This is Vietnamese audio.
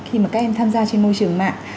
khi mà các em tham gia trên môi trường mạng